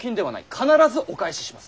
必ずお返しします。